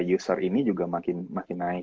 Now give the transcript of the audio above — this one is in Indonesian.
user ini juga makin naik